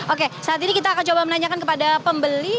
oke saat ini kita akan coba menanyakan kepada pembeli